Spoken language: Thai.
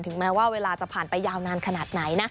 แม้ว่าเวลาจะผ่านไปยาวนานขนาดไหนนะ